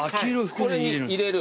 これに入れる？